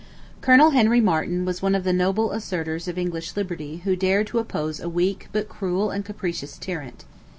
Colonel Henry Marten was one of the noble assertors of English liberty who dared to oppose a weak, but cruel and capricious tyrant.